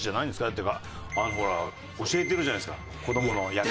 だってほら教えてるじゃないですか子供の。